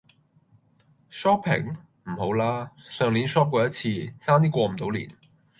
Shopping? 唔好啦，上年 shop 過一次，差啲過唔到年!